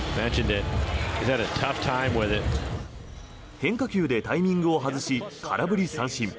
変化球でタイミングを外し空振り三振。